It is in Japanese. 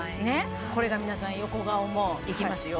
これが皆さん横顔もいきますよ